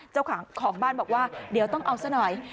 เจ้าของบ้านบอกว่าเดี๋ยวต้องเอาซะหน่อย